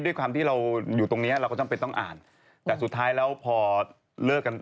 ด้วยความที่เราอยู่ตรงเนี้ยเราก็จำเป็นต้องอ่านแต่สุดท้ายแล้วพอเลิกกัน